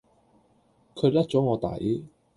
佢甩左我底